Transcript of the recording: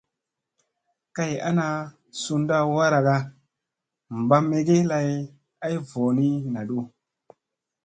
Kay ana ,sunɗa waraga, ɓaa mege lay ay voo ni naɗu.